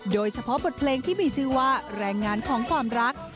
โดยเฉพาะบทเพลงที่มีชื่อว่าแรงงานของความรัก